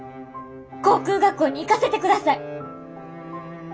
航空学校に行かせてください。